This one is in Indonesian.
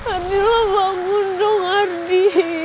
ardi bangun dong ardi